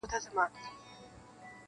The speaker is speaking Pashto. چي مي ستونی په دعا وو ستړی کړی-